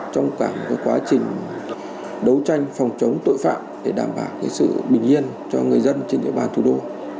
trong cả quá trình đấu tranh phòng chống tội phạm để đảm bảo sự bình yên cho người dân trên địa bàn thủ đô